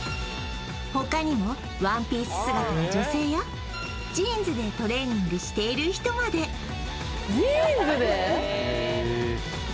他にもワンピース姿の女性やジーンズでトレーニングしている人までへえ